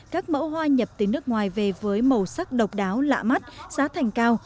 các mẫu hoa nhập từ nước ngoài về với màu sắc độc đáo lạ mắt giá thành cao